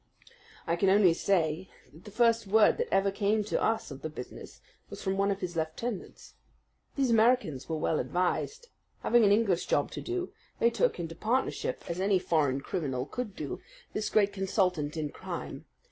"I can only say that the first word that ever came to us of the business was from one of his lieutenants. These Americans were well advised. Having an English job to do, they took into partnership, as any foreign criminal could do, this great consultant in crime.